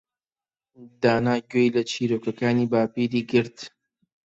دانا گوێی لە چیرۆکەکانی باپیری گرت.